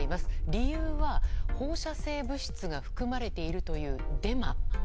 理由は、放射性物質が含まれているというデマ。